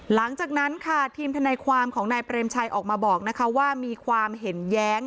หลังจากนั้นค่ะทีมทนายความของนายเปรมชัยออกมาบอกว่ามีความเห็นแย้ง